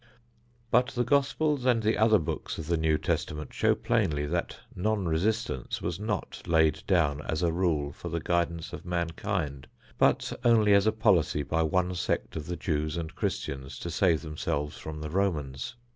But the gospels and the other books of the New Testament show plainly that non resistance was not laid down as a rule for the guidance of mankind, but only as a policy by one sect of the Jews and Christians to save themselves from the Romans.